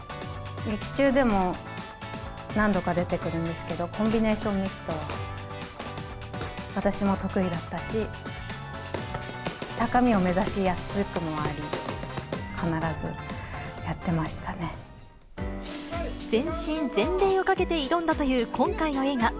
劇中でも何度か出てくるんですけど、コンビネーションミットは私も得意だったし、高みを目指しやすくもあり、全身全霊をかけて挑んだという今回の映画。